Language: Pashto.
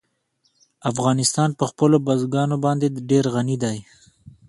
افغانستان په خپلو بزګانو باندې ډېر غني دی.